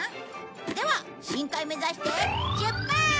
では深海目指して出発！